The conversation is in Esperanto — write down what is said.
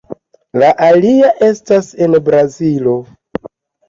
La alia estas en Brazilo.